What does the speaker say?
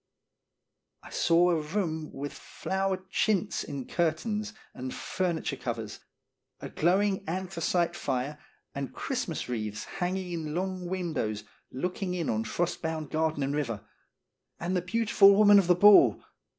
I saw a room with flowered chintz in cur tains and furniture covers, a glowing anthra cite fire, and Christmas wreaths hanging in long windows looking on frost bound garden and river. And the beautiful woman of the ball